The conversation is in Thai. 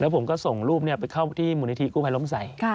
ผมก็ส่งรูปไปเข้าที่มูลนิธิกู้ภัยล้มใส่